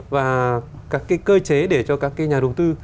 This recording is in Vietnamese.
và các cái cơ chế để cho các cái nhà đầu tư